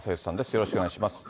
よろしくお願いします。